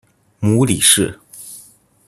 母李氏。